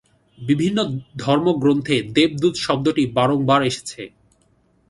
বিভিন্ন ধর্মগ্রন্থে দেব-দূত শব্দটি বারংবার এসেছে।